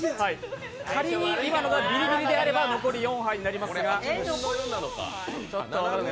仮に今のがビリビリであれば残りは４杯になります。